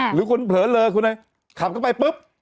หรือคุณเผลอเลอคุณขับเข้าไปปุ๊บ